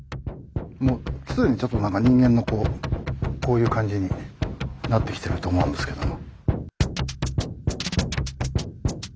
もう既にちょっと何か人間のこうこういう感じになってきてると思うんですけども。